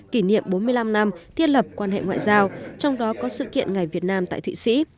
kỷ niệm bốn mươi năm năm thiết lập quan hệ ngoại giao trong đó có sự kiện ngày việt nam tại thụy sĩ